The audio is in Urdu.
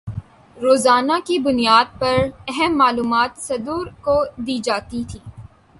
روزانہ کی بنیاد پر اہم معلومات صدور کو دی جاتی تھیں